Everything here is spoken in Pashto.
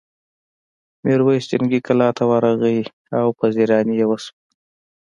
میرويس جنګي کلا ته ورغی او پذيرايي یې وشوه.